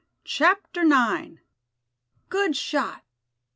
CHAPTER IX. "GOOD SHOT!